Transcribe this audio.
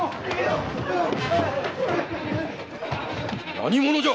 何者じゃ！